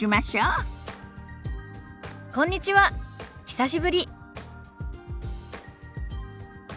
久しぶり。